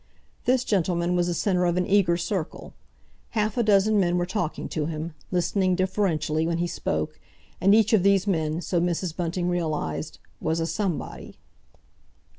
This gentleman was the centre of an eager circle; half a dozen men were talking to him, listening deferentially when he spoke, and each of these men, so Mrs. Bunting realised, was a Somebody.